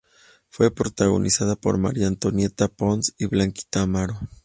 Fue protagonizada por María Antonieta Pons y Blanquita Amaro.